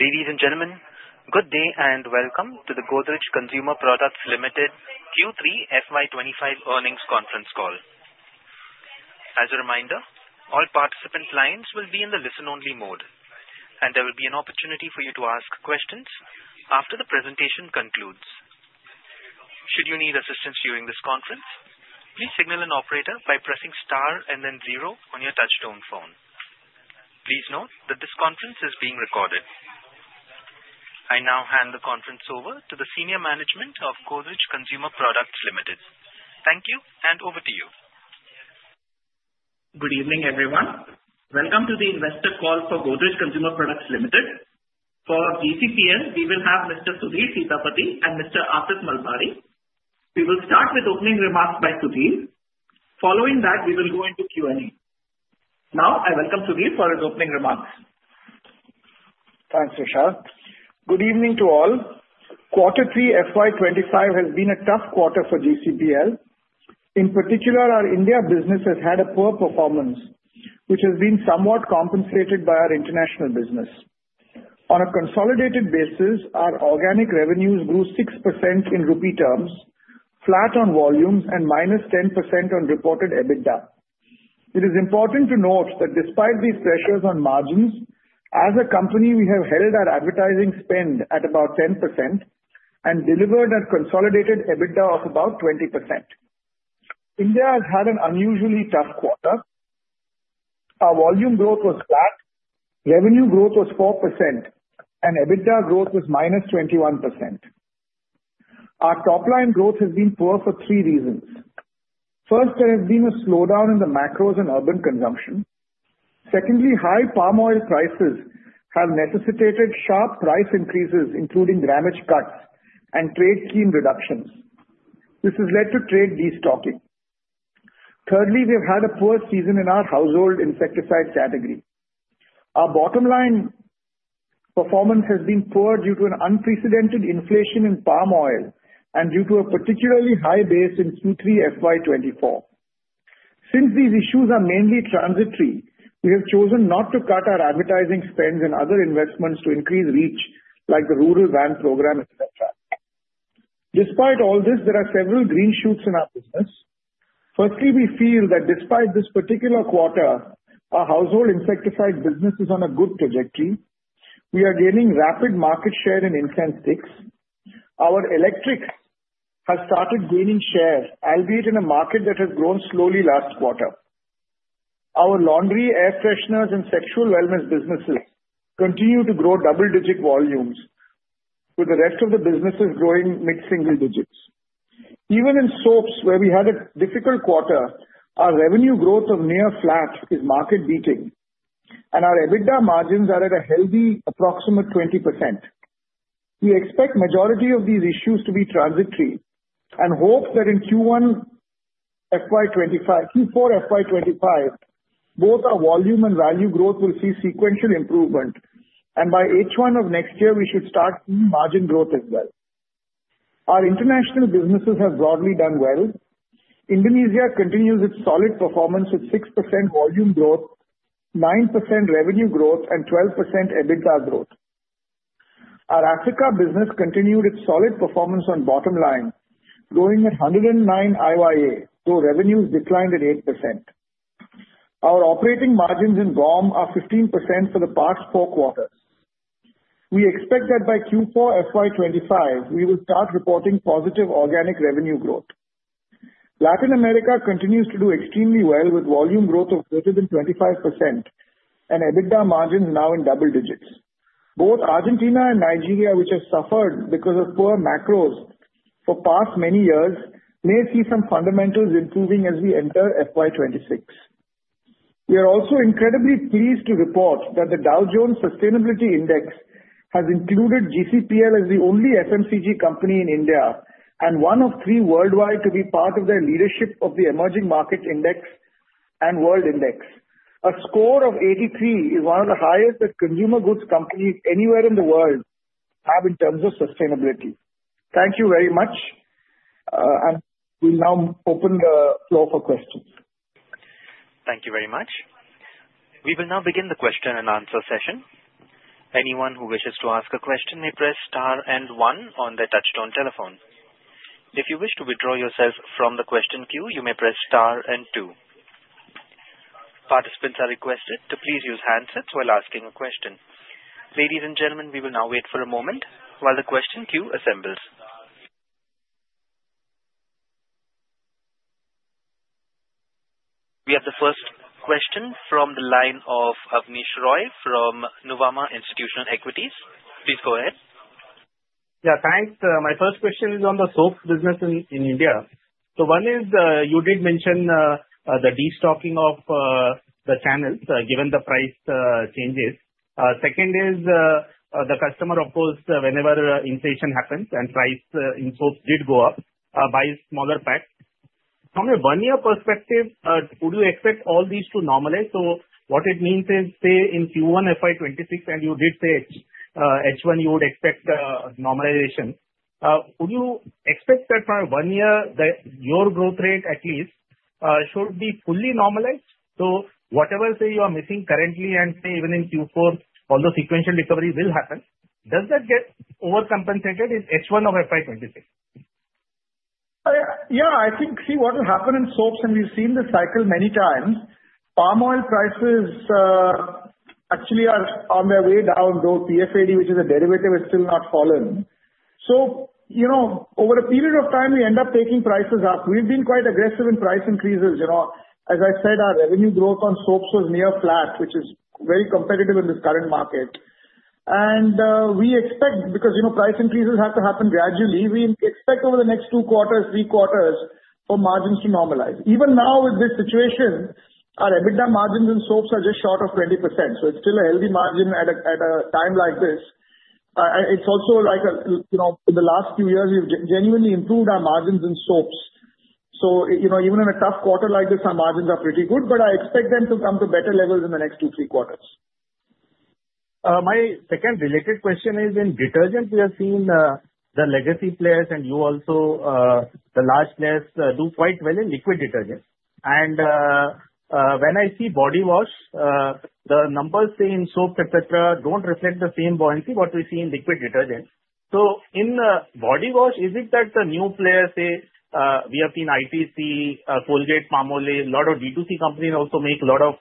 Ladies and gentlemen, good day and welcome to the Godrej Consumer Products Limited Q3 FY 2025 earnings conference call. As a reminder, all participant lines will be in the listen-only mode, and there will be an opportunity for you to ask questions after the presentation concludes. Should you need assistance during this conference, please signal an operator by pressing star and then zero on your touch-tone phone. Please note that this conference is being recorded. I now hand the conference over to the senior management of Godrej Consumer Products Limited. Thank you, and over to you. Good evening, everyone. Welcome to the investor call for Godrej Consumer Products Limited. For GCPL, we will have Mr. Sudhir Sitapati and Mr. Aasif Malbari. We will start with opening remarks by Sudhir. Following that, we will go into Q&A. Now, I welcome Sudhir for his opening remarks. Thanks, Vishal. Good evening to all. Quarter three FY 2025 has been a tough quarter for GCPL. In particular, our India business has had a poor performance, which has been somewhat compensated by our international business. On a consolidated basis, our organic revenues grew 6% in rupee terms, flat on volumes, and minus 10% on reported EBITDA. It is important to note that despite these pressures on margins, as a company, we have held our advertising spend at about 10% and delivered a consolidated EBITDA of about 20%. India has had an unusually tough quarter. Our volume growth was flat, revenue growth was 4%, and EBITDA growth was minus 21%. Our top-line growth has been poor for three reasons. First, there has been a slowdown in the macros and urban consumption. Secondly, high palm oil prices have necessitated sharp price increases, including grammage cuts and trade scheme reductions. This has led to trade destocking. Thirdly, we have had a poor season in our household insecticide category. Our bottom-line performance has been poor due to an unprecedented inflation in palm oil and due to a particularly high base in Q3 FY 2024. Since these issues are mainly transitory, we have chosen not to cut our advertising spends and other investments to increase reach like the rural van program, etc. Despite all this, there are several green shoots in our business. Firstly, we feel that despite this particular quarter, our household insecticide business is on a good trajectory. We are gaining rapid market share in incense sticks. Our electrics have started gaining share, albeit in a market that has grown slowly last quarter. Our laundry, air fresheners, and sexual wellness businesses continue to grow double-digit volumes, with the rest of the businesses growing mid-single digits. Even in soaps, where we had a difficult quarter, our revenue growth of near flat is market-beating, and our EBITDA margins are at a healthy approximate 20%. We expect the majority of these issues to be transitory and hope that in Q1 FY 2025, Q4 FY 2025, both our volume and value growth will see sequential improvement, and by H1 of next year, we should start seeing margin growth as well. Our international businesses have broadly done well. Indonesia continues its solid performance with 6% volume growth, 9% revenue growth, and 12% EBITDA growth. Our Africa business continued its solid performance on bottom line, growing at 109 IYA, though revenues declined at 8%. Our operating margins in GAUM are 15% for the past four quarters. We expect that by Q4 FY 2025, we will start reporting positive organic revenue growth. Latin America continues to do extremely well with volume growth of greater than 25% and EBITDA margins now in double digits. Both Argentina and Nigeria, which have suffered because of poor macros for past many years, may see some fundamentals improving as we enter FY26. We are also incredibly pleased to report that the Dow Jones Sustainability Index has included GCPL as the only FMCG company in India and one of three worldwide to be part of their leadership of the Emerging Markets Index and World Index. A score of 83 is one of the highest that consumer goods companies anywhere in the world have in terms of sustainability. Thank you very much, and we'll now open the floor for questions. Thank you very much. We will now begin the question and answer session. Anyone who wishes to ask a question may press star and one on their touch-tone telephone. If you wish to withdraw yourself from the question queue, you may press star and two. Participants are requested to please use handsets while asking a question. Ladies and gentlemen, we will now wait for a moment while the question queue assembles. We have the first question from the line of Abneesh Roy from Nuvama Institutional Equities. Please go ahead. Yeah, thanks. My first question is on the soap business in India. So one is, you did mention the destocking of the channels given the price changes. Second is, the customers opt whenever inflation happens and prices in soaps did go up, buy smaller packs. From a one-year perspective, would you expect all these to normalize? So what it means is, say, in Q1 FY 2026, and you did say H1, you would expect normalization. Would you expect that for one year that your growth rate at least should be fully normalized? So whatever, say, you are missing currently, and say, even in Q4, although sequential recovery will happen, does that get overcompensated in H1 of FY 2026? Yeah, I think, see, what will happen in soaps, and we've seen the cycle many times. Palm oil prices actually are on their way down, though PFAD, which is a derivative, has still not fallen. So over a period of time, we end up taking prices up. We've been quite aggressive in price increases. As I said, our revenue growth on soaps was near flat, which is very competitive in this current market, and we expect, because price increases have to happen gradually, we expect over the next two quarters, three quarters, for margins to normalize. Even now, with this situation, our EBITDA margins in soaps are just short of 20%. So it's still a healthy margin at a time like this. It's also like in the last few years, we've genuinely improved our margins in soaps. So even in a tough quarter like this, our margins are pretty good, but I expect them to come to better levels in the next two, three quarters. My second related question is, in detergent, we have seen the legacy players and you also, the large players, do quite well in liquid detergents. And when I see body wash, the numbers, say, in soaps, etc., don't reflect the same buoyancy what we see in liquid detergents. So in body wash, is it that the new players, say, we have seen ITC, Colgate, Palmolive, a lot of B2C companies also make a lot of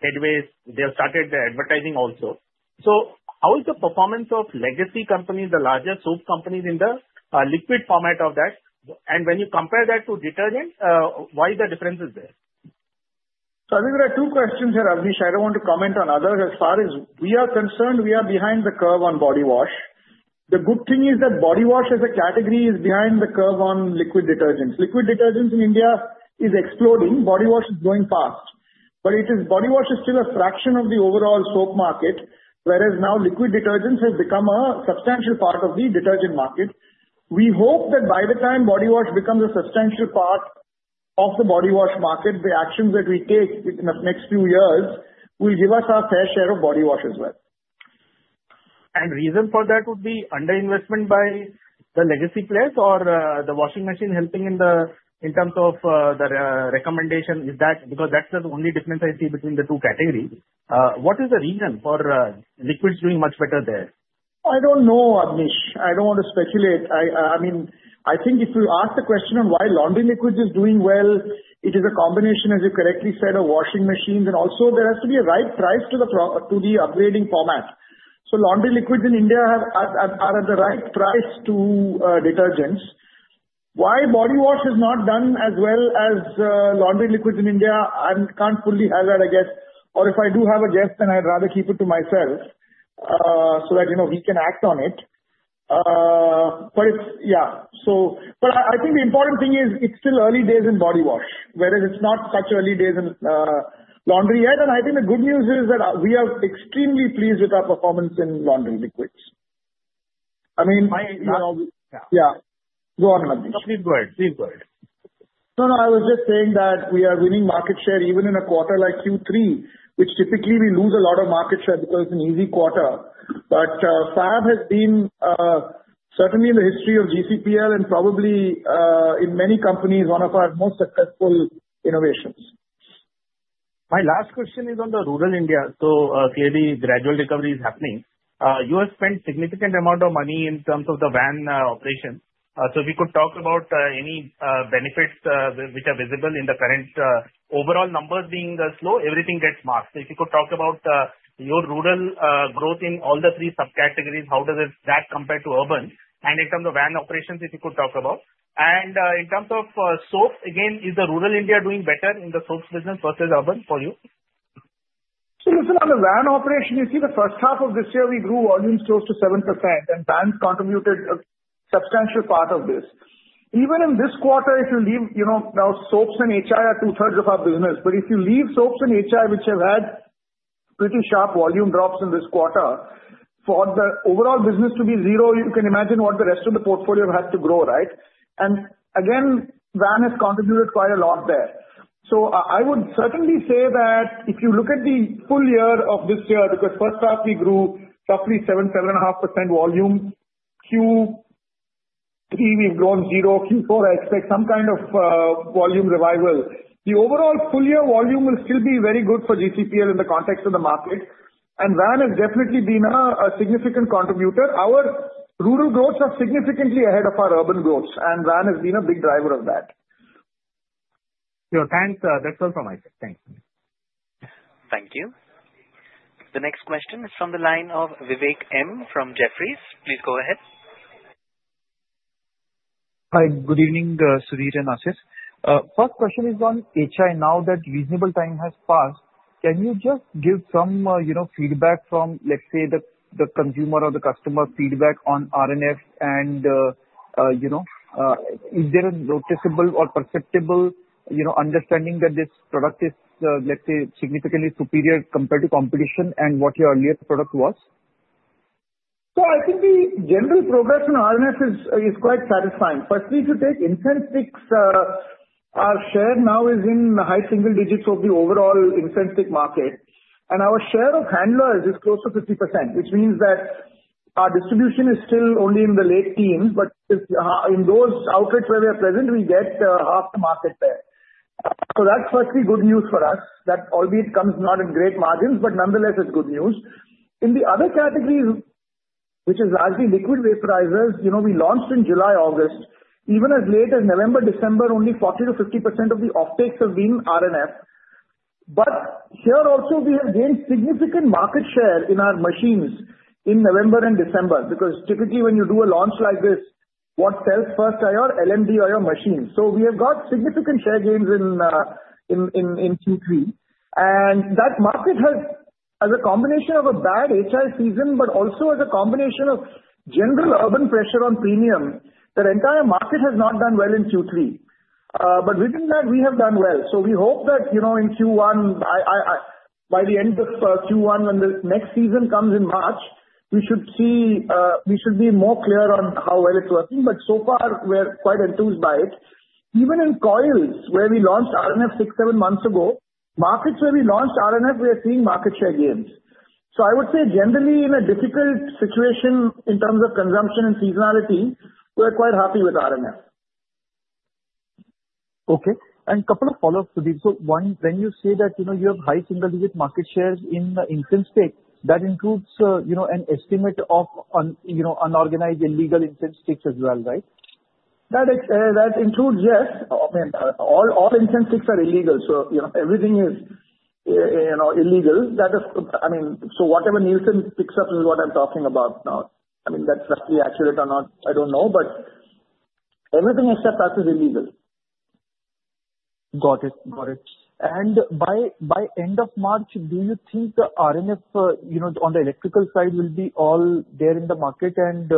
headway. They have started advertising also. So how is the performance of legacy companies, the larger soap companies in the liquid format of that? And when you compare that to detergent, why is the difference there? So I think there are two questions here, Abneesh. I don't want to comment on others. As far as we are concerned, we are behind the curve on body wash. The good thing is that body wash as a category is behind the curve on liquid detergents. Liquid detergents in India is exploding. Body wash is going fast. But body wash is still a fraction of the overall soap market, whereas now liquid detergents have become a substantial part of the detergent market. We hope that by the time body wash becomes a substantial part of the body wash market, the actions that we take in the next few years will give us our fair share of body wash as well. And the reason for that would be under-investment by the legacy players or the washing machine helping in terms of the recommendation? Because that's the only difference I see between the two categories. What is the reason for liquids doing much better there? I don't know, Abneesh. I don't want to speculate. I mean, I think if you ask the question on why laundry liquids is doing well, it is a combination, as you correctly said, of washing machines, and also there has to be a right price to the upgrading format. So laundry liquids in India are at the right price to detergents. Why body wash has not done as well as laundry liquids in India, I can't fully have that, I guess. Or if I do have a guess, then I'd rather keep it to myself so that we can act on it. But yeah. But I think the important thing is it's still early days in body wash, whereas it's not such early days in laundry yet. And I think the good news is that we are extremely pleased with our performance in laundry liquids. I mean, yeah. Go on, Abneesh. No, please go ahead. Please go ahead. No, no, I was just saying that we are winning market share even in a quarter like Q3, which typically we lose a lot of market share because it's an easy quarter. But Fab has been certainly in the history of GCPL and probably in many companies, one of our most successful innovations. My last question is on the rural India. So clearly, gradual recovery is happening. You have spent a significant amount of money in terms of the van operation. So if we could talk about any benefits which are visible in the current overall numbers being slow, everything gets masked. So if you could talk about your rural growth in all the three subcategories, how does that compare to urban? And in terms of van operations, if you could talk about. And in terms of soaps, again, is the rural India doing better in the soaps business versus urban for you? So listen, on the van operation, you see the first half of this year, we grew volumes close to 7%, and vans contributed a substantial part of this. Even in this quarter, if you leave now, soaps and HI are two-thirds of our business. But if you leave soaps and HI, which have had pretty sharp volume drops in this quarter, for the overall business to be zero, you can imagine what the rest of the portfolio had to grow, right? And again, van has contributed quite a lot there. So I would certainly say that if you look at the full year of this year, because first half, we grew roughly 7%, 7.5% volume. Q3, we've grown zero. Q4, I expect some kind of volume revival. The overall full-year volume will still be very good for GCPL in the context of the market. Van has definitely been a significant contributor. Our rural growths are significantly ahead of our urban growths, and van has been a big driver of that. Sure. Thanks, Sudhir, so much. Thanks. Thank you. The next question is from the line of Vivek M from Jefferies. Please go ahead. Hi, good evening, Sudhir and Aasif. First question is on HI. Now that reasonable time has passed, can you just give some feedback from, let's say, the consumer or the customer feedback on RNF? And is there a noticeable or perceptible understanding that this product is, let's say, significantly superior compared to competition and what your earlier product was? I think the general progress in RNF is quite satisfying. Firstly, if you take incense sticks, our share now is in the high single digits of the overall incense stick market. And our share of handlers is close to 50%, which means that our distribution is still only in the late teens. But in those outlets where we are present, we get half the market there. That's certainly good news for us, albeit it comes not in great margins, but nonetheless, it's good news. In the other categories, which is largely liquid vaporizers, we launched in July, August. Even as late as November, December, only 40%-50% of the offtakes have been RNF. But here also, we have gained significant market share in our machines in November and December because typically when you do a launch like this, what sells first are your LMD or your machines. So we have got significant share gains in Q3. And that market has, as a combination of a bad HI season, but also as a combination of general urban pressure on premium, the entire market has not done well in Q3. But within that, we have done well. So we hope that in Q1, by the end of Q1, when the next season comes in March, we should be more clear on how well it's working. But so far, we're quite enthused by it. Even in coils, where we launched RNF six, seven months ago, markets where we launched RNF, we are seeing market share gains. So I would say generally in a difficult situation in terms of consumption and seasonality, we're quite happy with RNF. Okay. And a couple of follow-ups, Sudhir. So one, when you say that you have high single-digit market shares in incense sticks, that includes an estimate of unorganized illegal incense sticks as well, right? That includes, yes. I mean, all incense sticks are illegal. So everything is illegal. I mean, so whatever Nielsen picks up is what I'm talking about now. I mean, that's roughly accurate or not, I don't know, but everything except us is illegal. Got it. Got it. And by end of March, do you think the RNF on the electrical side will be all there in the market? And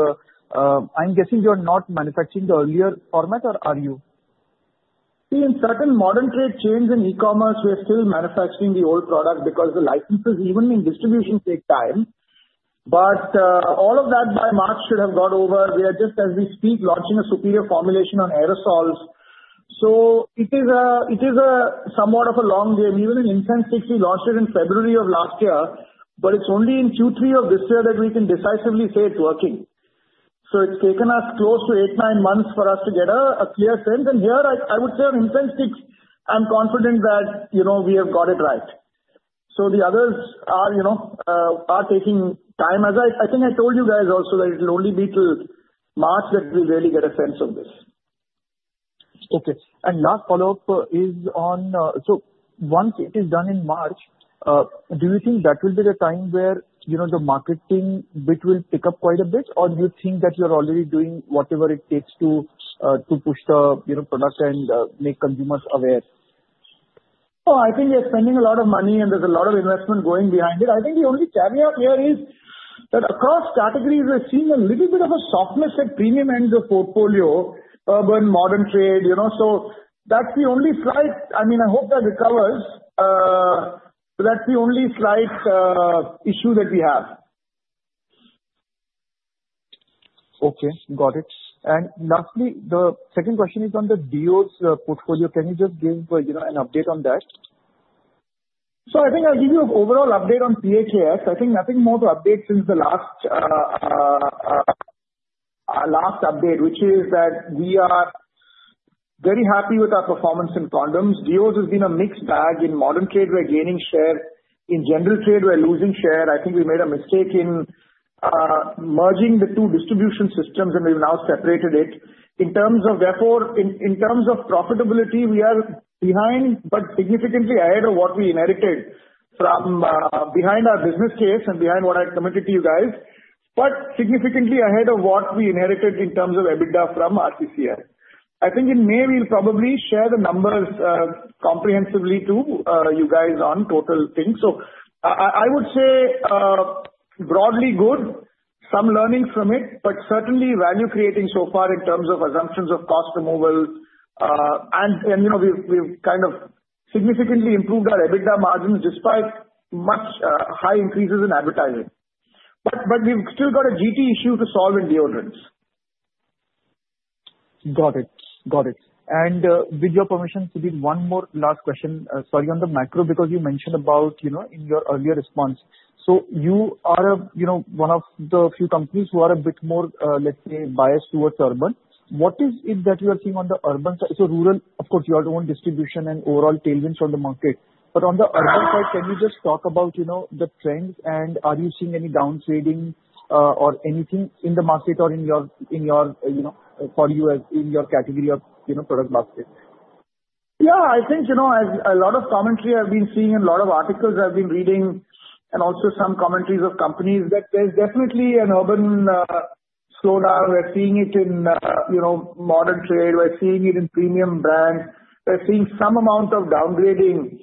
I'm guessing you're not manufacturing the earlier format, or are you? See, in certain modern trade chains and e-commerce, we are still manufacturing the old product because the licenses, even in distribution, take time. But all of that by March should have got over. We are just, as we speak, launching a superior formulation on aerosols. So it is somewhat of a long game. Even in incense sticks, we launched it in February of last year, but it's only in Q3 of this year that we can decisively say it's working. So it's taken us close to eight, nine months for us to get a clear sense. And here, I would say on incense sticks, I'm confident that we have got it right. So the others are taking time. I think I told you guys also that it'll only be till March that we really get a sense of this. Okay, and last follow-up is on, so once it is done in March, do you think that will be the time where the marketing bit will pick up quite a bit, or do you think that you're already doing whatever it takes to push the product and make consumers aware? I think we are spending a lot of money, and there's a lot of investment going behind it. I think the only caveat here is that across categories, we're seeing a little bit of a softness at premium end of portfolio, urban, modern trade. So that's the only slight, I mean, I hope that recovers. So that's the only slight issue that we have. Okay. Got it. And lastly, the second question is on the Deos portfolio. Can you just give an update on that? So, I think I'll give you an overall update on PAKS. I think nothing more to update since the last update, which is that we are very happy with our performance in condoms. Deos has been a mixed bag. In modern trade, we're gaining share. In general trade, we're losing share. I think we made a mistake in merging the two distribution systems, and we've now separated it. In terms of therefore, in terms of profitability, we are behind, but significantly ahead of what we inherited from behind our business case and behind what I committed to you guys, but significantly ahead of what we inherited in terms of EBITDA from RCCL. I think in May, we'll probably share the numbers comprehensively to you guys on total things. So I would say broadly good, some learnings from it, but certainly value creating so far in terms of assumptions of cost removal. And we've kind of significantly improved our EBITDA margins despite much high increases in advertising. But we've still got a GT issue to solve in deodorants. Got it. Got it. With your permission, Sudhir, one more last question. Sorry on the mic because you mentioned about in your earlier response. So you are one of the few companies who are a bit more, let's say, biased towards urban. What is it that you are seeing on the urban side? So rural, of course, your own distribution and overall tailwinds from the market. But on the urban side, can you just talk about the trends? And are you seeing any downtrading or anything in the market or in your, for you, in your category of product basket? Yeah. I think a lot of commentary I've been seeing and a lot of articles I've been reading, and also some commentaries of companies that there's definitely an urban slowdown. We're seeing it in modern trade. We're seeing it in premium brands. We're seeing some amount of downgrading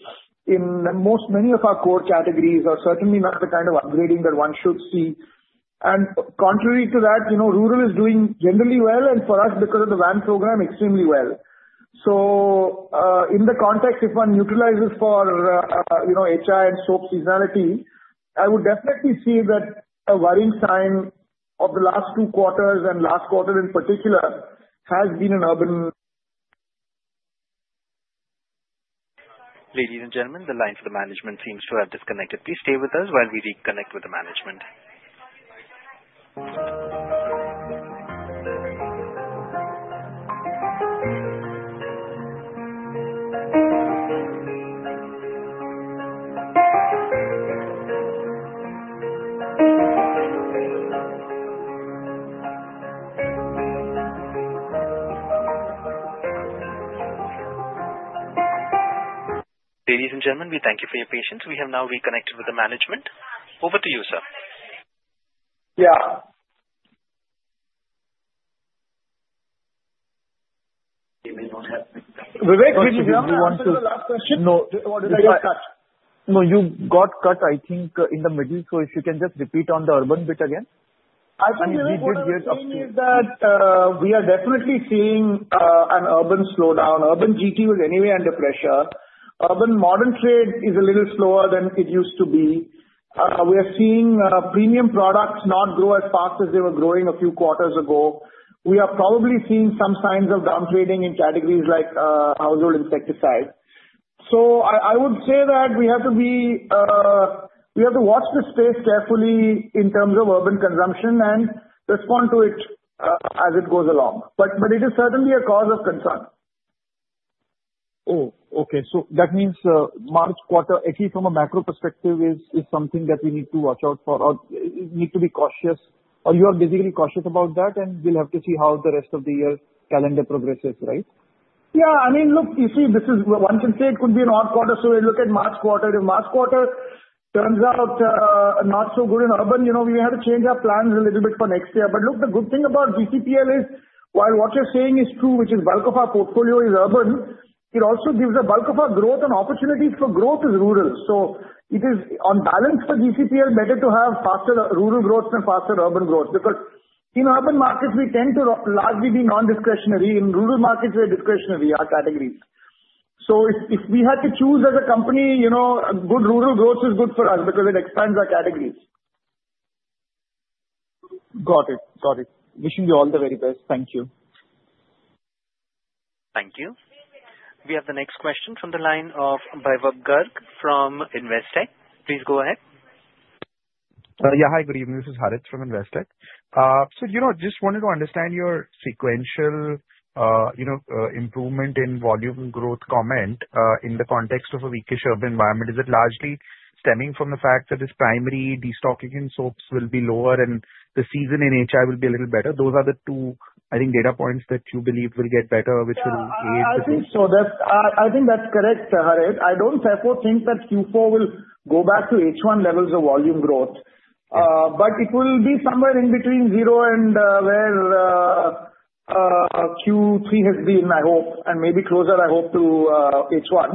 in most many of our core categories or certainly not the kind of upgrading that one should see. And contrary to that, rural is doing generally well and for us, because of the van program, extremely well. So in the context, if one neutralizes for HI and soap seasonality, I would definitely see that a worrying sign of the last two quarters and last quarter in particular has been an urban. Ladies and gentlemen, the line for the management seems to have disconnected. Please stay with us while we reconnect with the management. Ladies and gentlemen, we thank you for your patience. We have now reconnected with the management. Over to you, sir. Yeah. Vivek, did you want to? No, the last question. No, you were cut. No, you got cut, I think, in the middle. So if you can just repeat on the urban bit again. I think we did get up to. I mean, we did get up to. We are definitely seeing an urban slowdown. Urban GT was anyway under pressure. Urban modern trade is a little slower than it used to be. We are seeing premium products not grow as fast as they were growing a few quarters ago. We are probably seeing some signs of downgrading in categories like household insecticides. So I would say that we have to watch the space carefully in terms of urban consumption and respond to it as it goes along. But it is certainly a cause of concern. Oh, okay. So that means March quarter, at least from a macro perspective, is something that we need to watch out for or need to be cautious. Are you all basically cautious about that? And we'll have to see how the rest of the year calendar progresses, right? Yeah. I mean, look, you see, one can say it could be an odd quarter. So we look at March quarter. If March quarter turns out not so good in urban, we had to change our plans a little bit for next year. But look, the good thing about GCPL is while what you're saying is true, which is bulk of our portfolio is urban, it also gives a bulk of our growth and opportunities for growth is rural. So it is on balance for GCPL better to have faster rural growth than faster urban growth because in urban markets, we tend to largely be non-discretionary. In rural markets, we are discretionary, our categories. So if we had to choose as a company, good rural growth is good for us because it expands our categories. Got it. Got it. Wishing you all the very best. Thank you. Thank you. We have the next question from the line of Harith Ahamed from Investec. Please go ahead. Yeah. Hi, good evening. This is Harith from Investech. So just wanted to understand your sequential improvement in volume growth comment in the context of a weakish urban environment. Is it largely stemming from the fact that this primary destocking in soaps will be lower and the season in HI will be a little better? Those are the two, I think, data points that you believe will get better, which will aid the. I think so. I think that's correct, Harith. I don't therefore think that Q4 will go back to H1 levels of volume growth. But it will be somewhere in between zero and where Q3 has been, I hope, and maybe closer, I hope, to H1.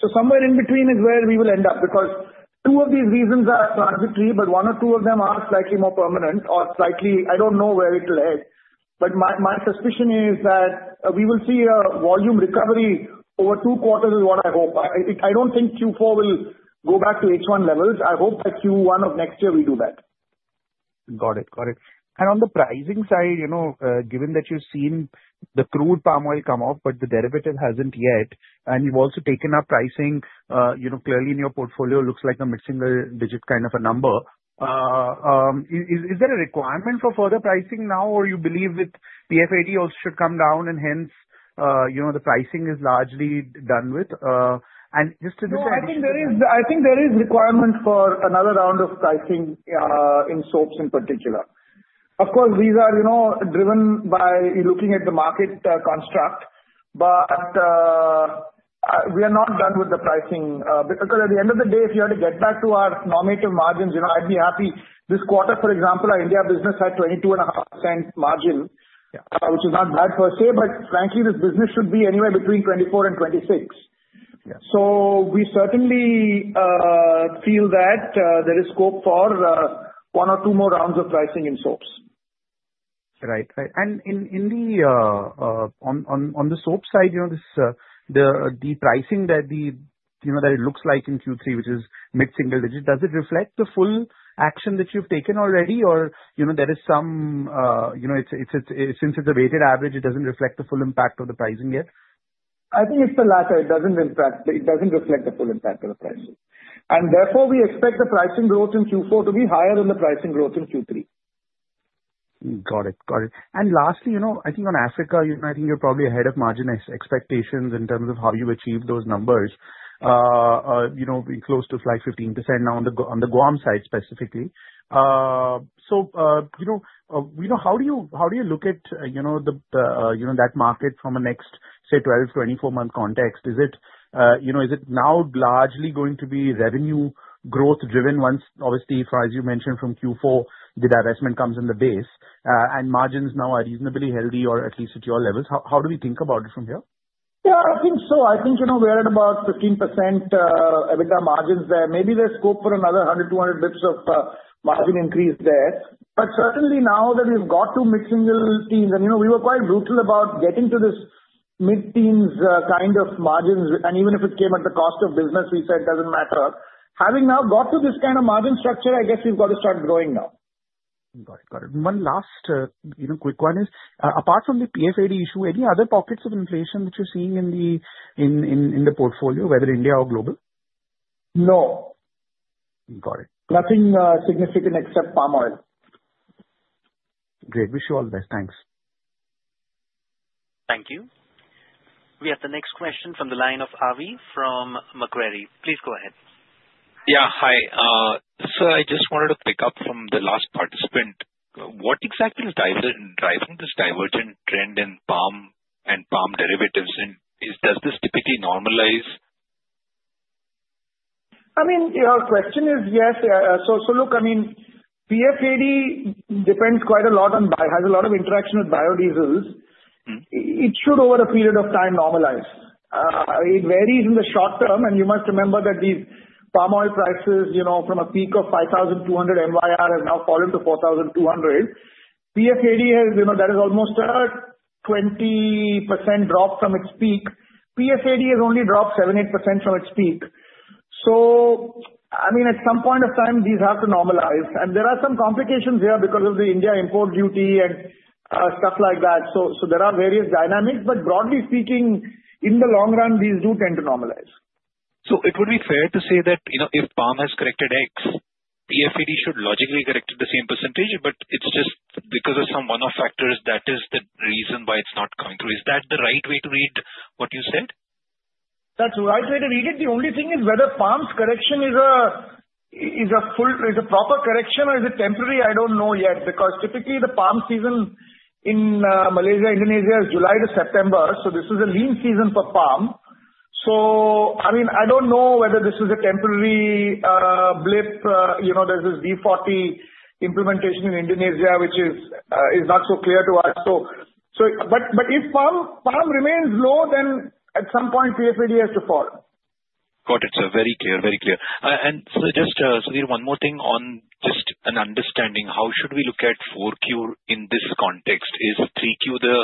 So somewhere in between is where we will end up because two of these reasons are transitory, but one or two of them are slightly more permanent or slightly, I don't know where it will end. But my suspicion is that we will see a volume recovery over two quarters is what I hope. I don't think Q4 will go back to H1 levels. I hope by Q1 of next year we do that. Got it. Got it. And on the pricing side, given that you've seen the crude palm oil come off, but the derivative hasn't yet, and you've also taken up pricing clearly in your portfolio, looks like a mid-single digit kind of a number, is there a requirement for further pricing now, or you believe with PFAD also should come down and hence the pricing is largely done with? And just to. No, I think there is requirement for another round of pricing in soaps in particular. Of course, these are driven by looking at the market construct, but we are not done with the pricing because at the end of the day, if you had to get back to our normative margins, I'd be happy. This quarter, for example, our India business had 22.5% margin, which is not bad per se, but frankly, this business should be anywhere between 24% and 26%. So we certainly feel that there is scope for one or two more rounds of pricing in soaps. Right. Right. And on the soap side, the pricing that it looks like in Q3, which is mid-single digit, does it reflect the full action that you've taken already, or there is some since it's a weighted average, it doesn't reflect the full impact of the pricing yet? I think it's the latter. It doesn't reflect the full impact of the pricing, and therefore, we expect the pricing growth in Q4 to be higher than the pricing growth in Q3. Got it. Got it. And lastly, I think on Africa, I think you're probably ahead of margin expectations in terms of how you achieve those numbers, being close to like 15% now on the GAUM side specifically. So how do you look at that market from a next, say, 12-24-month context? Is it now largely going to be revenue growth driven once, obviously, as you mentioned, from Q4, the divestment comes in the base and margins now are reasonably healthy or at least at your levels? How do we think about it from here? Yeah, I think so. I think we're at about 15% EBITDA margins there. Maybe there's scope for another 100, 200 basis points of margin increase there. But certainly now that we've got to mid-single teens, and we were quite brutal about getting to this mid-teens kind of margins, and even if it came at the cost of business, we said it doesn't matter. Having now got to this kind of margin structure, I guess we've got to start growing now. Got it. Got it. One last quick one is, apart from the PFAD issue, any other pockets of inflation that you're seeing in the portfolio, whether India or global? No. Got it. Nothing significant except palm oil. Great. Wish you all the best. Thanks. Thank you. We have the next question from the line of Avi from Macquarie. Please go ahead. Yeah. Hi. So I just wanted to pick up from the last participant. What exactly is driving this divergent trend in palm derivatives, and does this typically normalize? I mean, your question is yes. So look, I mean, PFAD depends quite a lot and has a lot of interaction with biodiesels. It should, over a period of time, normalize. It varies in the short term, and you must remember that these palm oil prices from a peak of 5,200 have now fallen to 4,200. PFAD, that is almost a 20% drop from its peak. PFAD has only dropped 7%, 8% from its peak. So I mean, at some point of time, these have to normalize. And there are some complications here because of the India import duty and stuff like that. So there are various dynamics, but broadly speaking, in the long run, these do tend to normalize. So it would be fair to say that if palm has corrected X, PFAD should logically correct at the same percentage, but it's just because of some one-off factors that is the reason why it's not coming through. Is that the right way to read what you said? That's the right way to read it. The only thing is whether palm's correction is a proper correction or is it temporary, I don't know yet because typically the palm season in Malaysia, Indonesia is July to September. So this is a lean season for palm. So I mean, I don't know whether this is a temporary blip. There's this B40 implementation in Indonesia, which is not so clear to us. But if palm remains low, then at some point, PFAD has to fall. Got it. So very clear. Very clear. And so just, Sudhir, one more thing on just an understanding. How should we look at 4Q in this context? Is 3Q the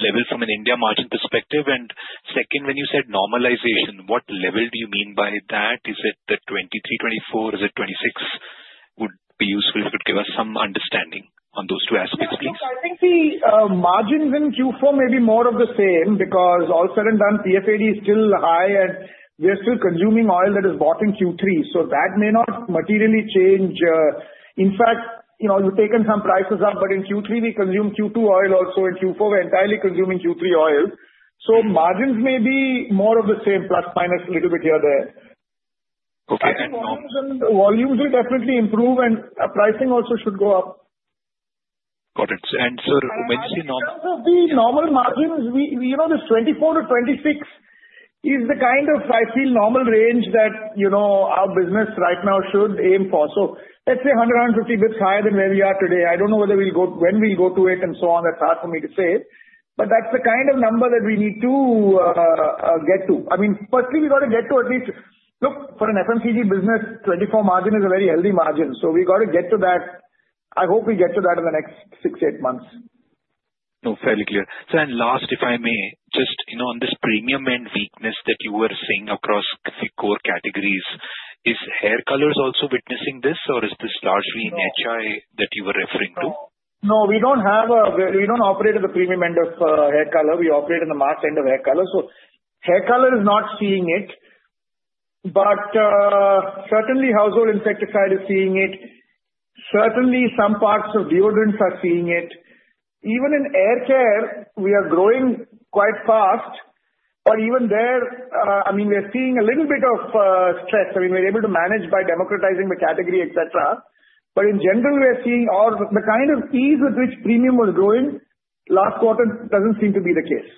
level from an India margin perspective? And second, when you said normalization, what level do you mean by that? Is it the 2023, 2024? Is it 2026? Would be useful if you could give us some understanding on those two aspects, please. I think the margins in Q4 may be more of the same because all said and done, PFAD is still high, and we are still consuming oil that is bought in Q3. So that may not materially change. In fact, we've taken some prices up, but in Q3, we consumed Q2 oil also. In Q4, we're entirely consuming Q3 oil. So margins may be more of the same, plus minus a little bit here or there. I think volumes will definitely improve, and pricing also should go up. Got it, and so when you say normal. In terms of the normal margins, this 24%-26% is the kind of, I feel, normal range that our business right now should aim for. So let's say 100, 150 basis points higher than where we are today. I don't know when we'll go to it and so on. That's hard for me to say. But that's the kind of number that we need to get to. I mean, firstly, we got to get to at least look, for an FMCG business, 24% margin is a very healthy margin. So we got to get to that. I hope we get to that in the next six, eight months. Fairly clear. So then last, if I may, just on this premium end weakness that you were seeing across the core categories, is hair colors also witnessing this, or is this largely in HI that you were referring to? No, we don't operate at the premium end of hair color. We operate in the mass end of hair color. So hair color is not seeing it, but certainly household insecticide is seeing it. Certainly, some parts of deodorants are seeing it. Even in air care, we are growing quite fast, but even there, I mean, we're seeing a little bit of stress. I mean, we're able to manage by democratizing the category, etc. But in general, we are seeing the kind of ease with which premium was growing last quarter doesn't seem to be the case.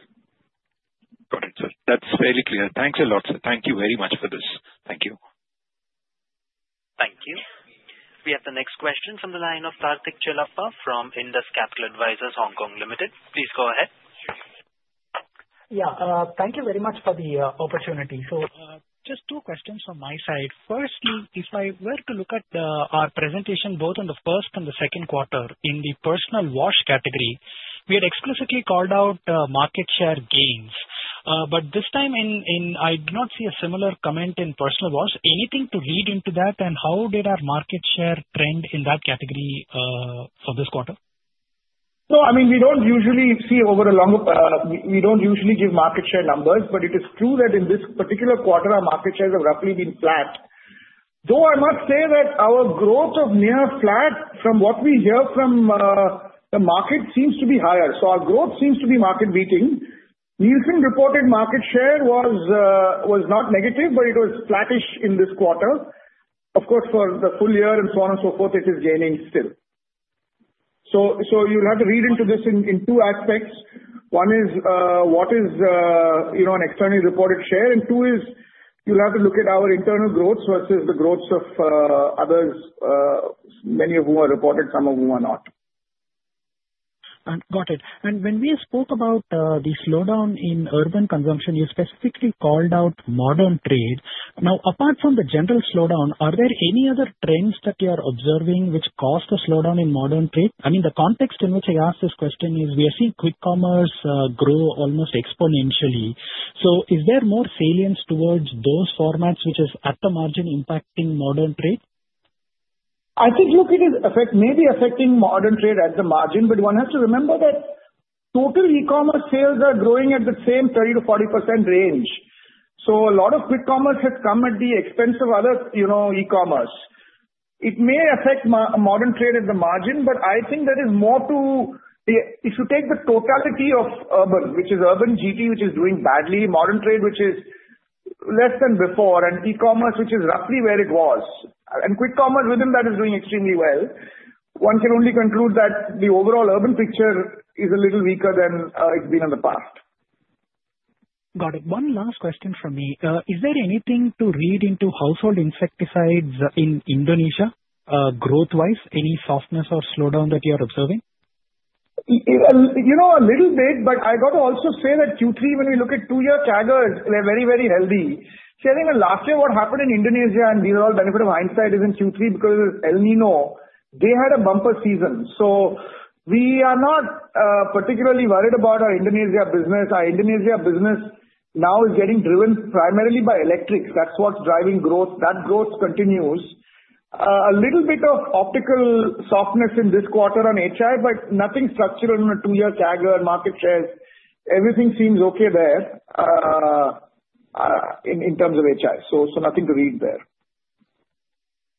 Got it. That's fairly clear. Thanks a lot. Thank you very much for this. Thank you. Thank you. We have the next question from the line of Karthik Chellappa from Indus Capital Partners, Hong Kong Limited. Please go ahead. Yeah. Thank you very much for the opportunity. So just two questions from my side. Firstly, if I were to look at our presentation both in the first and the second quarter in the personal wash category, we had explicitly called out market share gains. But this time, I did not see a similar comment in personal wash. Anything to read into that, and how did our market share trend in that category for this quarter? No, I mean, we don't usually give market share numbers, but it is true that in this particular quarter, our market shares have roughly been flat. Though I must say that our growth is near flat from what we hear from the market seems to be higher. So our growth seems to be market beating. Nielsen reported market share was not negative, but it was flattish in this quarter. Of course, for the full year and so on and so forth, it is gaining still. So you'll have to read into this in two aspects. One is what is an externally reported share, and two is you'll have to look at our internal growth versus the growth of others, many of whom are reported, some of whom are not. Got it. And when we spoke about the slowdown in urban consumption, you specifically called out modern trade. Now, apart from the general slowdown, are there any other trends that you are observing which caused the slowdown in modern trade? I mean, the context in which I asked this question is we are seeing quick commerce grow almost exponentially. So is there more salience towards those formats which is at the margin impacting modern trade? I think, look, it is maybe affecting modern trade at the margin, but one has to remember that total e-commerce sales are growing at the same 30%-40% range. So a lot of quick commerce has come at the expense of other e-commerce. It may affect modern trade at the margin, but I think there is more to if you take the totality of urban, which is urban GT, which is doing badly, modern trade, which is less than before, and e-commerce, which is roughly where it was. And quick commerce within that is doing extremely well. One can only conclude that the overall urban picture is a little weaker than it's been in the past. Got it. One last question from me. Is there anything to read into household insecticides in Indonesia, growth-wise? Any softness or slowdown that you are observing? A little bit, but I got to also say that Q3, when we look at two-year CAGR, they're very, very healthy. I think last year, what happened in Indonesia, and we will all benefit of hindsight, is in Q3 because El Niño, they had a bumper season. So we are not particularly worried about our Indonesia business. Our Indonesia business now is getting driven primarily by electrics. That's what's driving growth. That growth continues. A little bit of optical softness in this quarter on HI, but nothing structural in a two-year CAGR market shares. Everything seems okay there in terms of HI. So nothing to read there.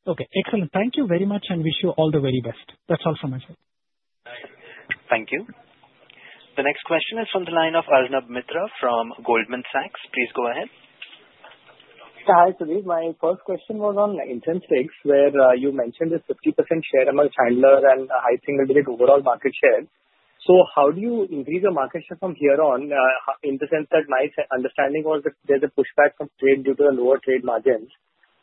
Okay. Excellent. Thank you very much, and wish you all the very best. That's all from my side. Thank you. The next question is from the line of Arnab Mitra from Goldman Sachs. Please go ahead. Hi, Sudhir. My first question was on incense sticks where you mentioned this 50% share among handlers and high single-digit overall market share. So how do you increase your market share from here on in the sense that my understanding was that there's a pushback from trade due to the lower trade margins?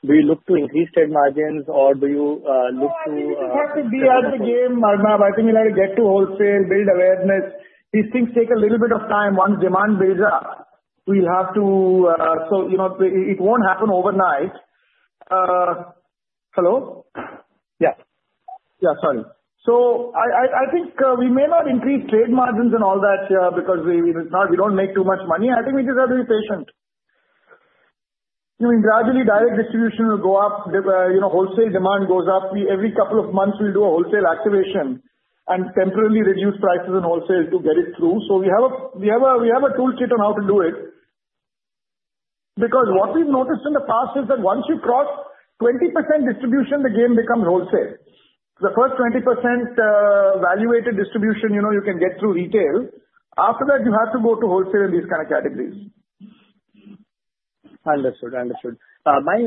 Do you look to increase trade margins, or do you look to? It has to be at the game, Arnab. I think we'll have to get to wholesale, build awareness. These things take a little bit of time. Once demand builds up, we'll have to do so. It won't happen overnight. Hello? Yeah. Yeah, sorry. So I think we may not increase trade margins and all that because we don't make too much money. I think we just have to be patient. I mean, gradually, direct distribution will go up. Wholesale demand goes up. Every couple of months, we'll do a wholesale activation and temporarily reduce prices in wholesale to get it through. So we have a toolkit on how to do it. Because what we've noticed in the past is that once you cross 20% distribution, the game becomes wholesale. The first 20% valuated distribution, you can get through retail. After that, you have to go to wholesale in these kind of categories. Understood. Understood. My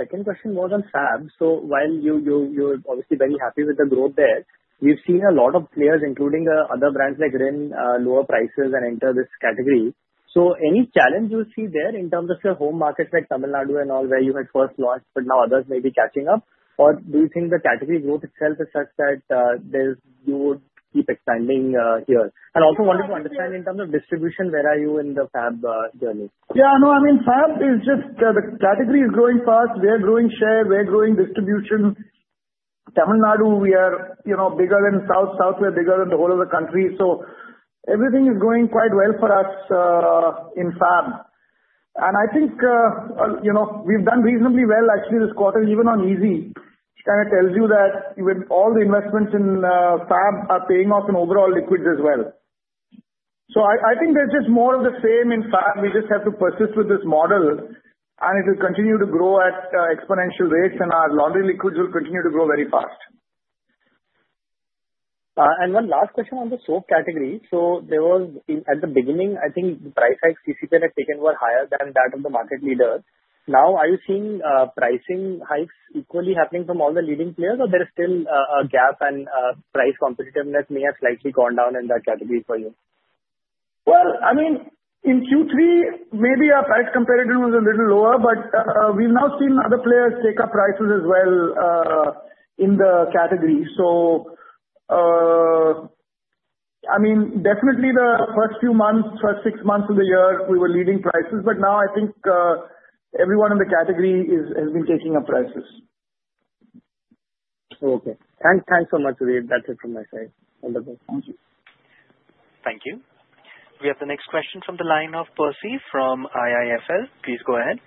second question was on Fab. So while you're obviously very happy with the growth there, we've seen a lot of players, including other brands like Rin, lower prices and enter this category. So any challenge you see there in terms of your home markets like Tamil Nadu and all where you had first launched, but now others may be catching up? Or do you think the category growth itself is such that you would keep expanding here? And also wanted to understand in terms of distribution, where are you in the Fab journey? Yeah. No, I mean, Fab is just the category is growing fast. We are growing share. We are growing distribution. Tamil Nadu, we are bigger than South. South, we are bigger than the whole of the country. So everything is going quite well for us in Fab. And I think we've done reasonably well, actually, this quarter, even on Ezee. It kind of tells you that all the investments in Fab are paying off in overall liquids as well. So I think there's just more of the same in Fab. We just have to persist with this model, and it will continue to grow at exponential rates, and our laundry liquids will continue to grow very fast. One last question on the soap category. There was, at the beginning, I think the price hikes GCPL had taken were higher than that of the market leaders. Now, are you seeing pricing hikes equally happening from all the leading players, or there is still a gap and price competitiveness may have slightly gone down in that category for you? I mean, in Q3, maybe our price competitors were a little lower, but we've now seen other players take up prices as well in the category. I mean, definitely, the first few months, first six months of the year, we were leading prices, but now I think everyone in the category has been taking up prices. Okay. Thanks so much, Sudhir. That's it from my side. Wonderful. Thank you. We have the next question from the line of Percy from IIFL. Please go ahead.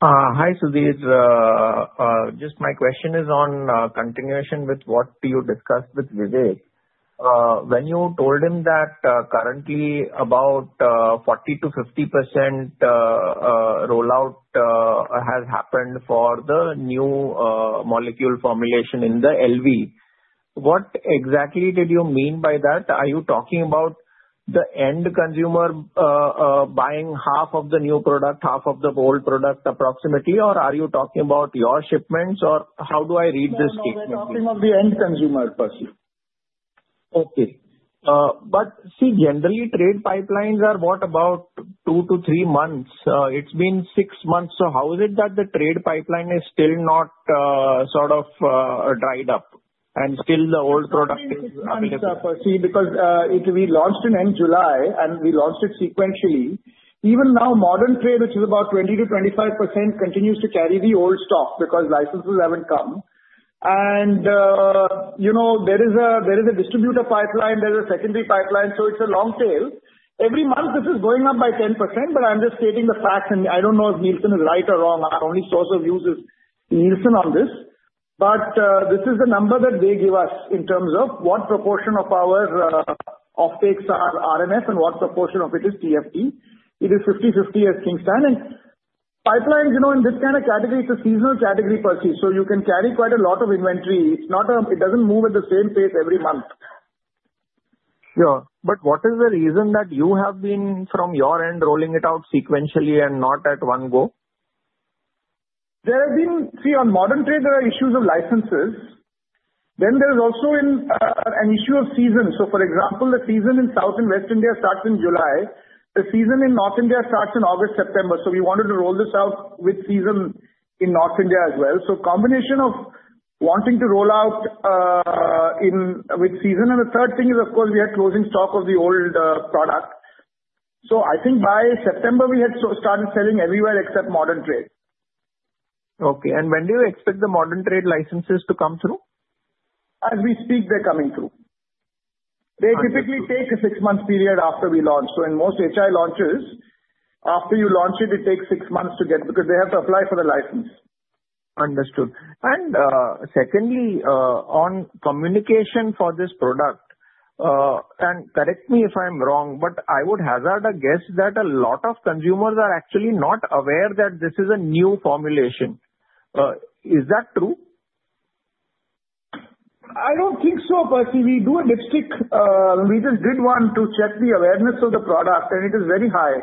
Hi, Sudhir. Just my question is on continuation with what you discussed with Vivek. When you told him that currently about 40%-50% rollout has happened for the new molecule formulation in the LV, what exactly did you mean by that? Are you talking about the end consumer buying half of the new product, half of the old product approximately, or are you talking about your shipments, or how do I read this statement? I think you're talking about the end consumer, Percy. Okay. But see, generally, trade pipelines are what about two to three months. It's been six months. So how is it that the trade pipeline is still not sort of dried up and still the old product is available? See, because we launched in end July, and we launched it sequentially. Even now, modern trade, which is about 20%-25%, continues to carry the old stock because licenses haven't come, and there is a distributor pipeline. There is a secondary pipeline, so it's a long tail. Every month, this is going up by 10%, but I'm just stating the facts, and I don't know if Nielsen is right or wrong. Our only source of views is Nielsen on this, but this is the number that they give us in terms of what proportion of our offtakes are RNF and what proportion of it is TFT. It is 50/50, I think, standing. Pipelines in this kind of category, it's a seasonal category, Percy, so you can carry quite a lot of inventory. It doesn't move at the same pace every month. Sure. But what is the reason that you have been, from your end, rolling it out sequentially and not at one go? See, on Modern Trade, there are issues of licenses. Then there is also an issue of season. So, for example, the season in South and West India starts in July. The season in North India starts in August, September. So we wanted to roll this out with season in North India as well. So combination of wanting to roll out with season. And the third thing is, of course, we had closing stock of the old product. So I think by September, we had started selling everywhere except Modern Trade. Okay, and when do you expect the modern trade licenses to come through? As we speak, they're coming through. They typically take a six-month period after we launch. So in most HI launches, after you launch it, it takes six months to get because they have to apply for the license. Understood. Secondly, on communication for this product, and correct me if I'm wrong, but I would hazard a guess that a lot of consumers are actually not aware that this is a new formulation. Is that true? I don't think so, Percy. We do a dipstick. We just did one to check the awareness of the product, and it is very high.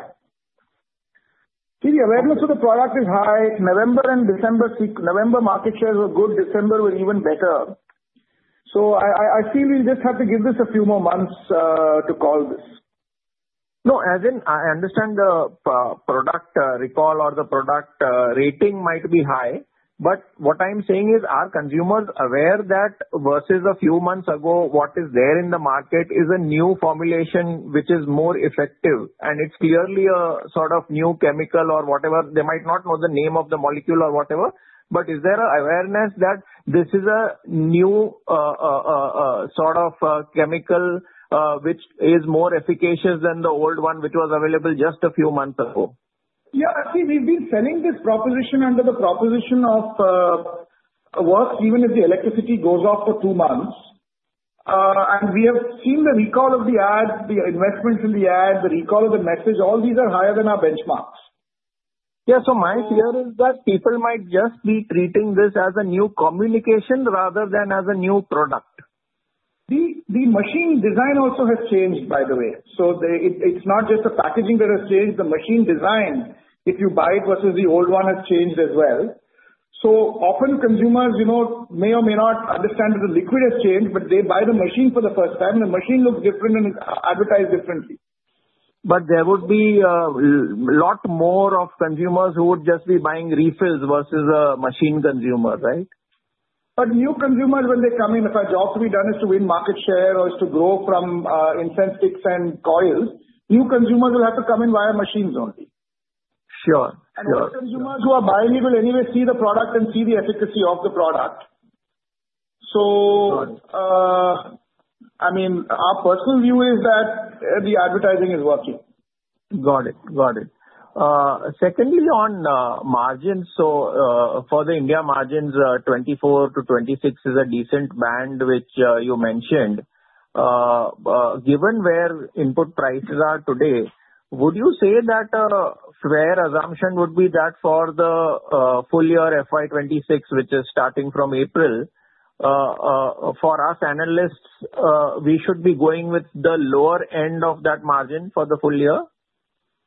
See, the awareness of the product is high. November and December market shares were good. December were even better. So I feel we just have to give this a few more months to call this. No, as in I understand the product recall or the product rating might be high, but what I'm saying is, are consumers aware that versus a few months ago, what is there in the market is a new formulation which is more effective? And it's clearly a sort of new chemical or whatever. They might not know the name of the molecule or whatever, but is there an awareness that this is a new sort of chemical which is more efficacious than the old one which was available just a few months ago? Yeah. See, we've been selling this proposition under the proposition of works even if the electricity goes off for two months. And we have seen the recall of the ad, the investments in the ad, the recall of the message. All these are higher than our benchmarks. Yeah. So my fear is that people might just be treating this as a new communication rather than as a new product. The machine design also has changed, by the way. So it's not just the packaging that has changed. The machine design, if you buy it versus the old one, has changed as well. So often, consumers may or may not understand that the liquid has changed, but they buy the machine for the first time, and the machine looks different and advertised differently. But there would be a lot more of consumers who would just be buying refills versus a machine consumer, right? But new consumers, when they come in, if our job to be done is to win market share or is to grow from incense sticks and coils, new consumers will have to come and buy our machines only. Sure. Sure. Those consumers who are buying it will anyway see the product and see the efficacy of the product. I mean, our personal view is that the advertising is working. Got it. Got it. Secondly, on margins, so for the India margins, 24 to 26 is a decent band, which you mentioned. Given where input prices are today, would you say that fair assumption would be that for the full year FY 2026, which is starting from April, for us analysts, we should be going with the lower end of that margin for the full year?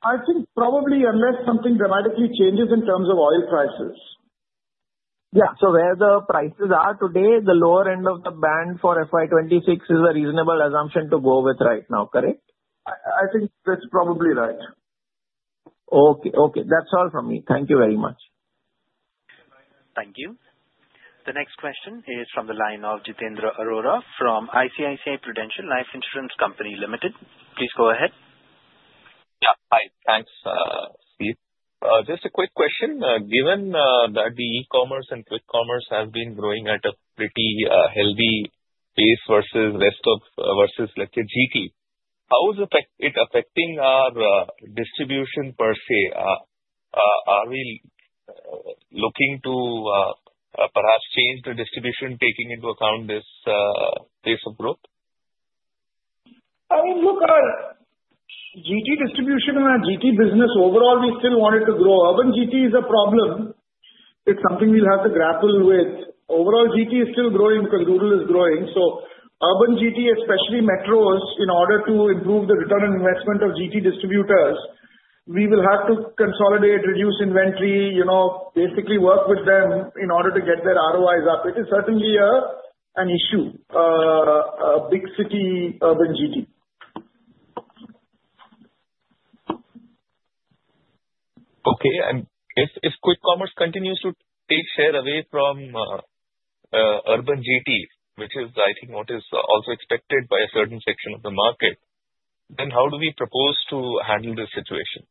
I think probably unless something dramatically changes in terms of oil prices. Yeah. So where the prices are today, the lower end of the band for FY 2026 is a reasonable assumption to go with right now, correct? I think that's probably right. Okay. Okay. That's all from me. Thank you very much. Thank you. The next question is from the line of Jitendra Arora from ICICI Prudential Life Insurance Company Limited. Please go ahead. Yeah. Hi. Thanks, Steve. Just a quick question. Given that the e-commerce and quick commerce have been growing at a pretty healthy pace versus GT, how is it affecting our distribution, Percy? Are we looking to perhaps change the distribution, taking into account this pace of growth? I mean, look, GT distribution and our GT business overall, we still want it to grow. Urban GT is a problem. It's something we'll have to grapple with. Overall, GT is still growing because rural is growing. So Urban GT, especially metros, in order to improve the return on investment of GT distributors, we will have to consolidate, reduce inventory, basically work with them in order to get their ROIs up. It is certainly an issue, a big city Urban GT. Okay. And if quick commerce continues to take share away from Urban GT, which is, I think, what is also expected by a certain section of the market, then how do we propose to handle this situation?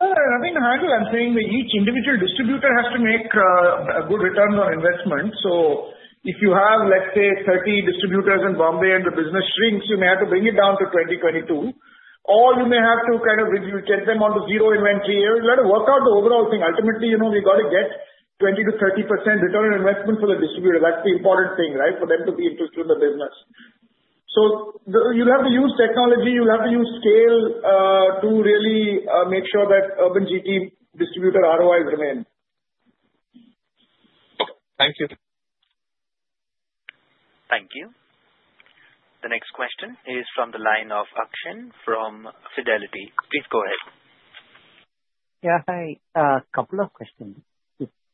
I mean, handler, I'm saying that each individual distributor has to make good returns on investment. So if you have, let's say, 30 distributors in Bombay and the business shrinks, you may have to bring it down to 20, 22, or you may have to kind of get them onto zero inventory. You've got to work out the overall thing. Ultimately, we've got to get 20%-30% return on investment for the distributor. That's the important thing, right? For them to be interested in the business. So you'll have to use technology. You'll have to use scale to really make sure that urban GT distributor ROIs remain. Okay. Thank you. Thank you. The next question is from the line of Akshen from Fidelity. Please go ahead. Yeah. Hi. A couple of questions.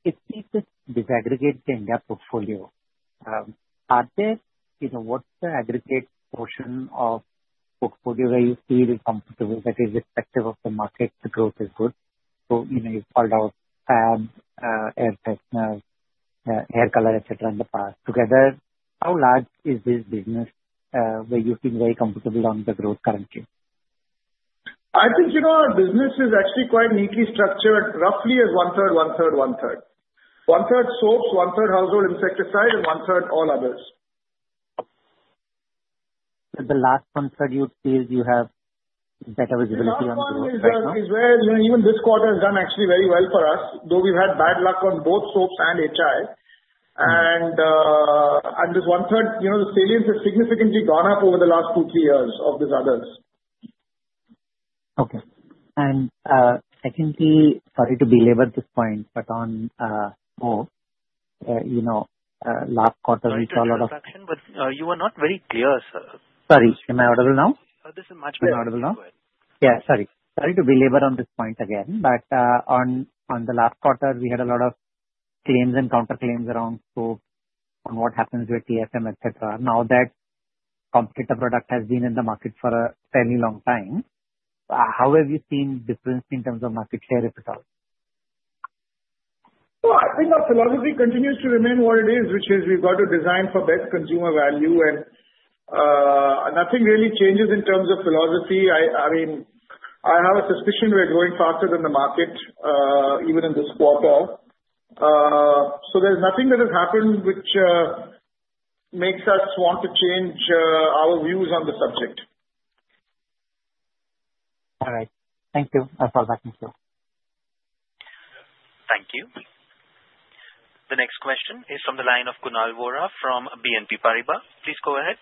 If we just disaggregate the India portfolio, what's the aggregate portion of portfolio where you feel comfortable that is respective of the market? The growth is good. So you've called out Fab, air fresheners, hair color, etc., in the past. Together, how large is this business where you feel very comfortable on the growth currently? I think our business is actually quite neatly structured, roughly as one-third, one-third, one-third. One-third soaps, one-third household insecticide, and one-third all others. The last one-third, you'd say you have better visibility on growth? Yeah. One-third is where even this quarter has done actually very well for us, though we've had bad luck on both soaps and HI, and this one-third, the salience has significantly gone up over the last two, three years of these others. Okay. And secondly, sorry to belabor this point, but on both, last quarter, we saw a lot of. Sorry for the interruption, but you were not very clear, sir. Sorry. Am I audible now? This is much better audible now. Yeah. Sorry. Sorry to belabor on this point again, but on the last quarter, we had a lot of claims and counterclaims around soap, on what happens with TFM, etc. Now that competitor product has been in the market for a fairly long time, how have you seen difference in terms of market share, if at all? I think our philosophy continues to remain what it is, which is we've got to design for best consumer value, and nothing really changes in terms of philosophy. I mean, I have a suspicion we're going faster than the market, even in this quarter. So there's nothing that has happened which makes us want to change our views on the subject. All right. Thank you. I'll call back in a few. Thank you. The next question is from the line of Kunal Vora from BNP Paribas. Please go ahead.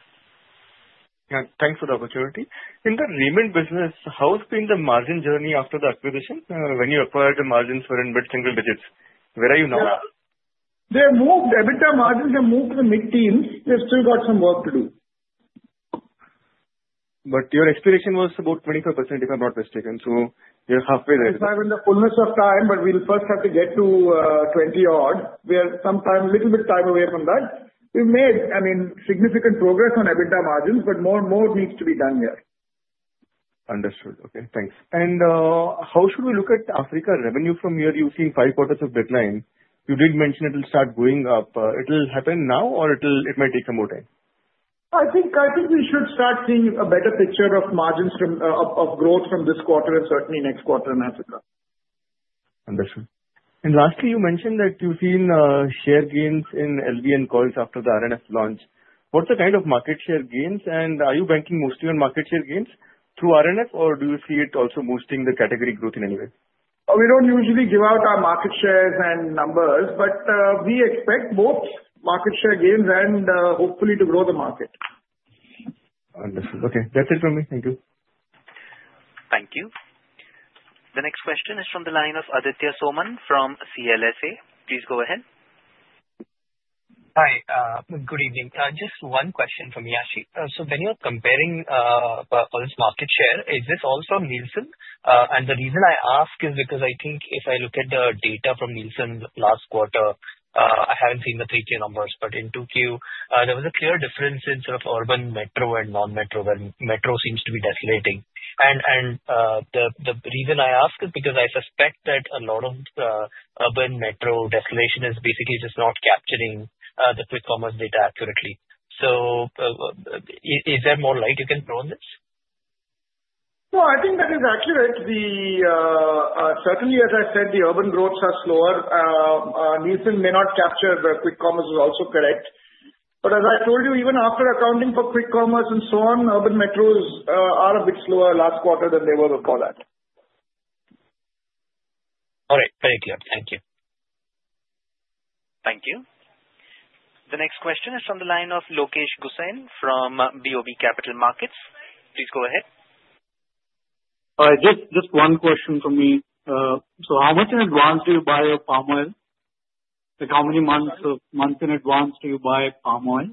Thanks for the opportunity. In the Raymond business, how's been the margin journey after the acquisition? When you acquired the margins were in mid-single digits. Where are you now? They've moved. Every time margins have moved to the mid-teens, they've still got some work to do. But your aspiration was about 25%, if I'm not mistaken. So you're halfway there. 25 in the fullness of time, but we'll first have to get to 20-odd, where sometimes a little bit time away from that. We've made, I mean, significant progress on EBITDA margins, but more and more needs to be done here. Understood. Okay. Thanks. And how should we look at Africa revenue from here? You've seen five quarters of decline. You did mention it'll start going up. It'll happen now, or it might take some more time? I think we should start seeing a better picture of growth from this quarter and certainly next quarter in Africa. Understood. And lastly, you mentioned that you've seen share gains in LV and coils after the RNF launch. What's the kind of market share gains, and are you banking mostly on market share gains through RNF, or do you see it also boosting the category growth in any way? We don't usually give out our market shares and numbers, but we expect both market share gains and hopefully to grow the market. Understood. Okay. That's it from me. Thank you. Thank you. The next question is from the line of Aditya Soman from CLSA. Please go ahead. Hi. Good evening. Just one question from me, Aasif. So when you're comparing all this market share, is this all from Nielsen? And the reason I ask is because I think if I look at the data from Nielsen last quarter, I haven't seen the three-tier numbers, but in 2Q, there was a clear difference in sort of urban metro and non-metro where metro seems to be declining. And the reason I ask is because I suspect that a lot of urban metro decline is basically just not capturing the quick commerce data accurately. So is there more light you can throw on this? No, I think that is accurate. Certainly, as I said, the urban growths are slower. Nielsen may not capture the quick commerce, is also correct. But as I told you, even after accounting for quick commerce and so on, urban metros are a bit slower last quarter than they were before that. All right. Thank you. Thank you. Thank you. The next question is from the line of Lokesh Gusain from BOB Capital Markets. Please go ahead. All right. Just one question from me. So how much in advance do you buy of palm oil? How many months in advance do you buy palm oil?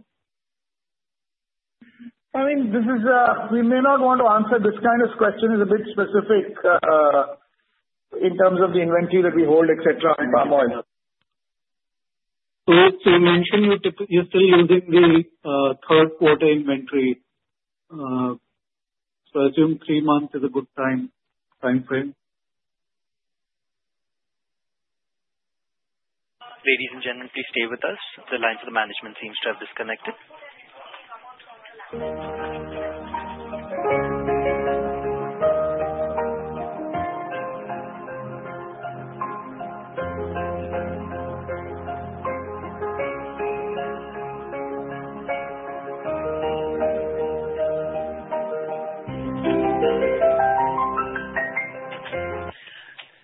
I mean, we may not want to answer this kind of question. It's a bit specific in terms of the inventory that we hold, etc., on palm oil. So you mentioned you're still using the third quarter inventory. So I assume three months is a good time frame. Ladies and gentlemen, please stay with us. The line for the management team's just disconnected.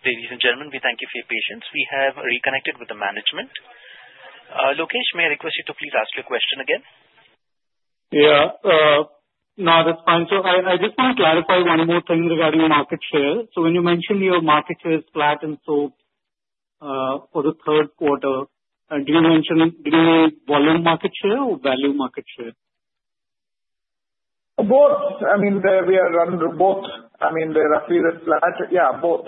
Ladies and gentlemen, we thank you for your patience. We have reconnected with the management. Lokesh, may I request you to please ask your question again? Yeah. No, that's fine. So I just want to clarify one more thing regarding market share. So when you mentioned your market share is flat in soap for the third quarter, did you mean volume market share or value market share? Both. I mean, we are running both. I mean, they're roughly flat. Yeah, both.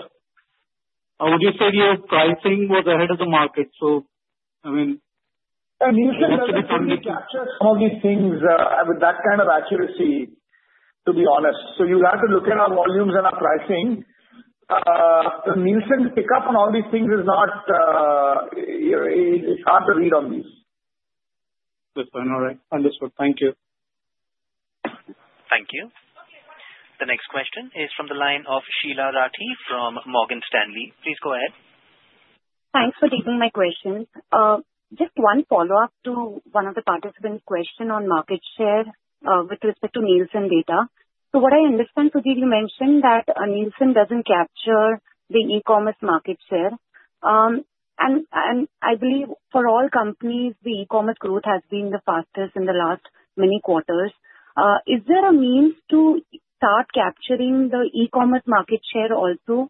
Would you say your pricing was ahead of the market? So, I mean, Nielsen has to capture some of these things with that kind of accuracy, to be honest. So you have to look at our volumes and our pricing. Nielsen's pickup on all these things is not. It's hard to read on these. That's fine. All right. Understood. Thank you. Thank you. The next question is from the line of Sheela Rathi from Morgan Stanley. Please go ahead. Thanks for taking my question. Just one follow-up to one of the participants' questions on market share with respect to Nielsen data. So what I understand, Sudhir, you mentioned that Nielsen doesn't capture the e-commerce market share. And I believe for all companies, the e-commerce growth has been the fastest in the last many quarters. Is there a means to start capturing the e-commerce market share also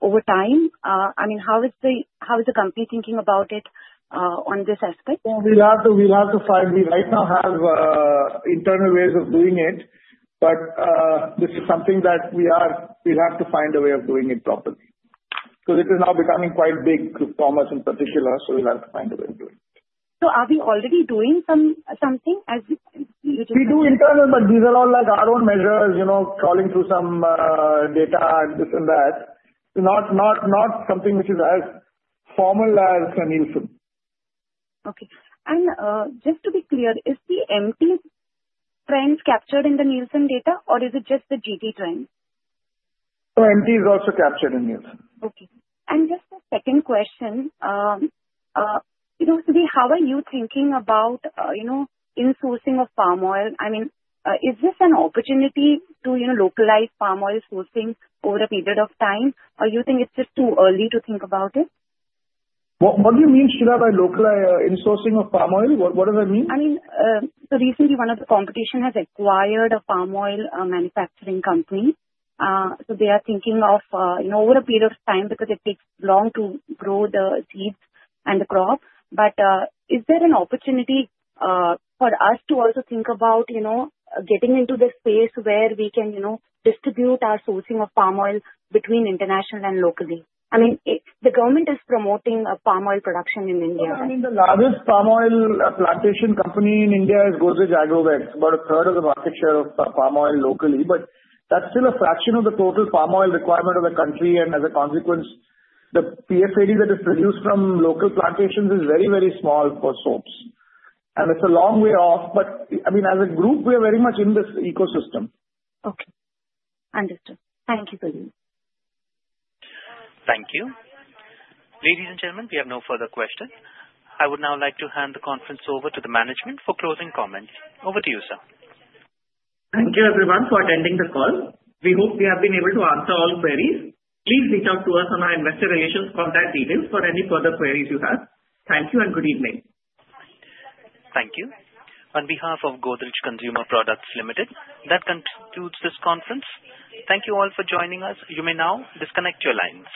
over time? I mean, how is the company thinking about it on this aspect? We'll have to find. We right now have internal ways of doing it, but this is something that we have to find a way of doing it properly. Because it is now becoming quite big for commerce in particular, so we'll have to find a way of doing it. So are we already doing something as we? We do internal, but these are all our own measures, crawling through some data and this and that. Not something which is as formal as Nielsen. Okay. And just to be clear, is the MT trend captured in the Nielsen data, or is it just the GT trend? Oh, MT is also captured in Nielsen. Okay. And just a second question, Sudhir, how are you thinking about insourcing of palm oil? I mean, is this an opportunity to localize palm oil sourcing over a period of time, or do you think it's just too early to think about it? What do you mean, Sheela, by localize insourcing of palm oil? What does that mean? I mean, so recently, one of the competition has acquired a palm oil manufacturing company. So they are thinking of, over a period of time, because it takes long to grow the seeds and the crop. But is there an opportunity for us to also think about getting into the space where we can distribute our sourcing of palm oil between international and locally? I mean, the government is promoting palm oil production in India. I mean, the largest palm oil plantation company in India is Godrej Agrovet. It's about a third of the market share of palm oil locally, but that's still a fraction of the total palm oil requirement of the country, and as a consequence, the PFAD that is produced from local plantations is very, very small for soaps. It's a long way off, but I mean, as a group, we are very much in this ecosystem. Okay. Understood. Thank you, Sudhir. Thank you. Ladies and gentlemen, we have no further questions. I would now like to hand the conference over to the management for closing comments. Over to you, sir. Thank you, everyone, for attending the call. We hope we have been able to answer all queries. Please reach out to us on our investor relations contact details for any further queries you have. Thank you and good evening. Thank you. On behalf of Godrej Consumer Products Limited, that concludes this conference. Thank you all for joining us. You may now disconnect your lines.